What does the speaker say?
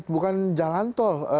bukan jalan tol